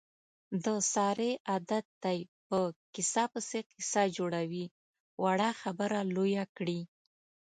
د سارې عادت دی، په قیصه پسې قیصه جوړوي. وړه خبره لویه کړي.